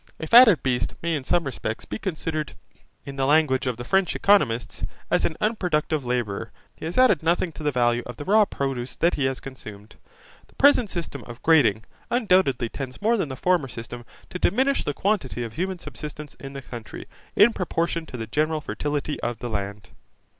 A fatted beast may in some respects be considered, in the language of the French economists, as an unproductive labourer: he has added nothing to the value of the raw produce that he has consumed. The present system of grating, undoubtedly tends more than the former system to diminish the quantity of human subsistence in the country, in proportion to the general fertility of the land.